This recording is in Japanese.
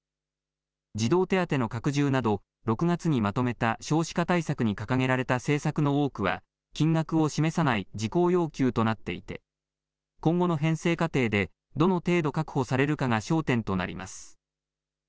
児童手当の拡充など６月にまとめた少子化対策に掲げられた政策の多くは金額を示さない事項要求となっていて今後の編成過程でどの程度確保されるかが焦点となります。